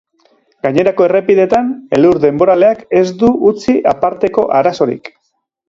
Gainerako errepideetan elur denboraleak ez du utzi aparteko arazorik.